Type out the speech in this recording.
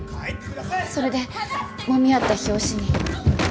それでもみ合った拍子に。